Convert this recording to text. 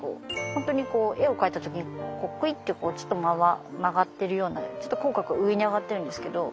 ホントに絵を描いた時にくいってちょっと曲がってるようなちょっと口角上に上がっているんですけど。